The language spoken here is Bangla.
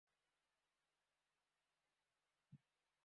কতবার বলেছি ফোন না ধরলে বারবার কল করবে না।